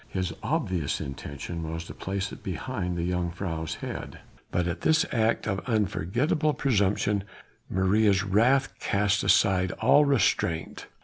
His obvious intention was to place it behind the jongejuffrouw's head, but at this act of unforgivable presumption Maria's wrath cast aside all restraint.